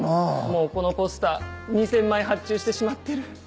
もうこのポスター２０００枚発注してしまってる。